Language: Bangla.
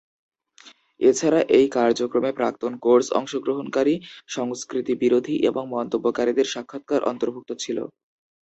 এছাড়া, এই কার্যক্রমে প্রাক্তন কোর্স অংশগ্রহণকারী, সংস্কৃতি বিরোধী এবং মন্তব্যকারীদের সাক্ষাৎকার অন্তর্ভুক্ত ছিল।